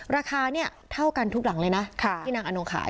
ราคาเนี่ยเท่ากันทุกหลังเลยนะที่นางอนงขาย